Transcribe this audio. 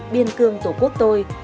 biên cương tổ quốc tôi